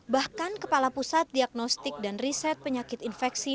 bahkan kepala pusat diagnostik dan riset penyakit infeksi